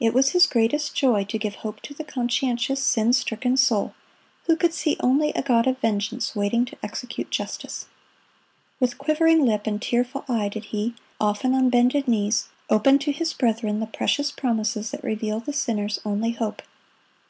It was his greatest joy to give hope to the conscientious, sin stricken soul, who could see only a God of vengeance, waiting to execute justice. With quivering lip and tearful eye did he, often on bended knees, open to his brethren the precious promises that reveal the sinner's only hope.